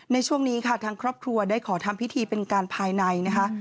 ในช่วงนี้ค่ะทางครอบครัวได้ขอทำพิธีเป็นการภายในนะคะ